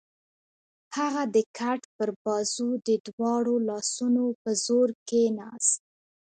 هغه د کټ پر بازو د دواړو لاسونو په زور کېناست.